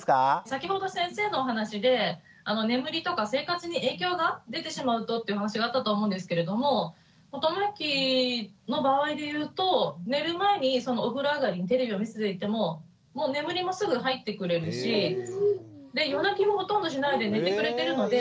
先ほど先生のお話で眠りとか生活に影響が出てしまうとっていう話があったと思うんですけれどもともゆきの場合で言うと寝る前にそのお風呂上がりにテレビを見せていても眠りもすぐ入ってくれるし夜泣きもほとんどしないで寝てくれてるので。